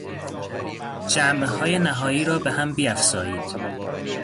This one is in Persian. جمعهای نهایی را به هم بیافزایید.